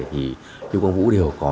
thì lưu quang vũ đều có